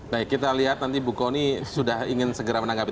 baik kita lihat nanti bu kony sudah ingin segera menanggapi